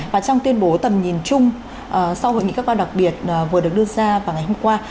và trong tuyên bố tầm nhìn chung sau hội nghị khách quan đặc biệt vừa được đưa ra và ngày hôm qua